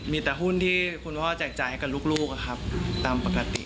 มีแต่หุ้นที่คุณพ่อแจกจ่ายให้กับลูกตามปกติ